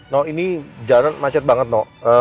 no ini jalanan macet banget no